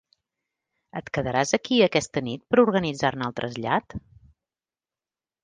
Et quedaràs aquí aquesta nit per organitzar-ne el trasllat?